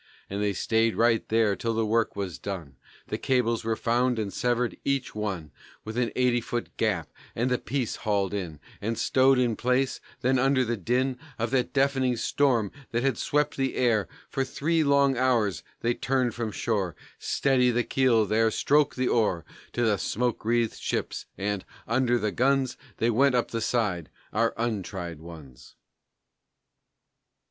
And they stayed right there till the work was done, The cables were found and severed, each one, With an eighty foot gap, and the "piece" hauled in, And stowed in place, then, under the din Of that deafening storm, that had swept the air For three long hours, they turned from shore ("Steady the keel" there; "stroke" the oar), To the smoke wreathed ships, and, under the guns, They went up the side, our "untried" ones.